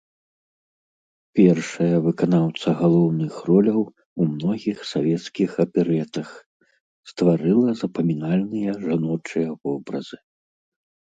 Першая выканаўца галоўных роляў у многіх савецкіх аперэтах, стварыла запамінальныя жаночыя вобразы.